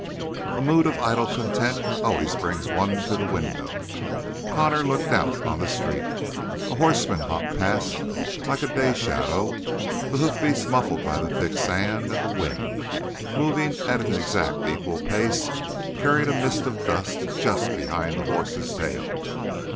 A mood of idle content always brings one to the window: Connor looked out on the street. A horseman hopped past like a day shadow, the hoofbeats muffled by thick sand, and the wind, moving at an exactly equal pace, carried a mist of dust just behind the horse's tail.